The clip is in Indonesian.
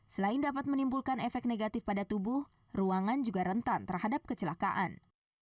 selain dapat menimbulkan efek negatif pada tubuh ruangan juga rentan terhadap kecelakaan